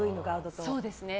そうですね。